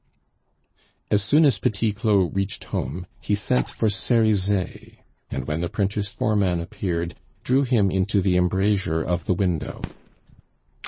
As soon as Petit Claud reached home he sent for Cerizet, and when the printer's foreman appeared, drew him into the embrasure of the window.